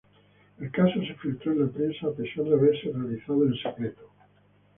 El caso se filtró en la prensa a pesar de haberse realizado en secreto.